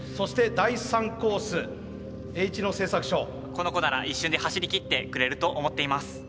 この子なら一瞬で走り切ってくれると思っています。